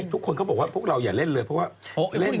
ช่วยท้าพี่ไปห้างหน่อยไปพาระก้อนหน่อย